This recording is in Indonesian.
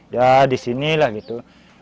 ya di sini lah gitu